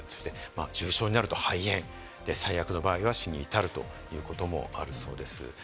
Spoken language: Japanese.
重症になると肺炎、最悪の場合は死に至るということもあるそうです。